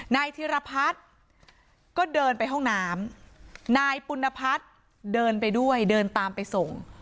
ธิรพัฒน์ก็เดินไปห้องน้ำนายปุณพัฒน์เดินไปด้วยเดินตามไปส่ง